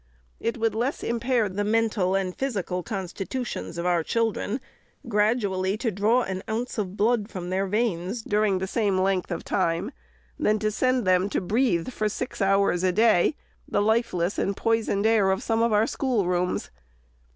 It would less impair the mental and physical constitutions of our chil dren, gradually to draw an ounce of blood from their veins, during the same length of time, than to send them to breathe, for six hours in a day, the lifeless and poisoned air of some of our schoolrooms.